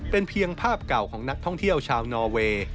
เป็นเพียงภาพเก่าของนักท่องเที่ยวชาวนอเวย์